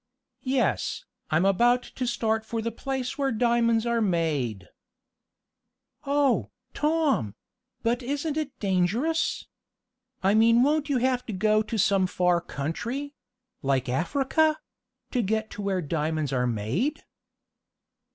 "Yes, I'm about to start for the place where diamonds are made." "Oh, Tom! But isn't it dangerous? I mean won't you have to go to some far country like Africa to get to where diamonds are made?"